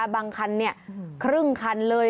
บางคันครึ่งคันเลย